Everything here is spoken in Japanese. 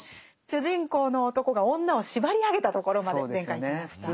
主人公の男が女を縛り上げたところまで前回いきました。